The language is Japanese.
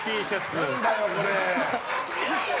何だよ、これ。